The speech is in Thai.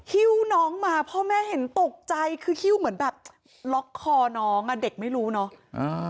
ฮิ้วน้องมาพ่อแม่เห็นตกใจคือหิ้วเหมือนแบบล็อกคอน้องอ่ะเด็กไม่รู้เนาะ